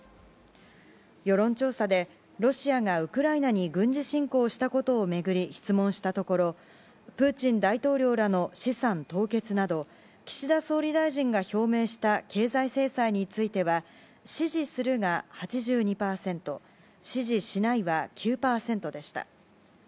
世論調査でロシアがウクライナに軍事侵攻したことを巡り質問したところプーチン大統領らの資産凍結など岸田総理大臣が表明した経済制裁については支持するが８２％支持しないは９％でした。